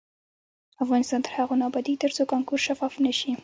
افغانستان تر هغو نه ابادیږي، ترڅو کانکور شفاف نشي.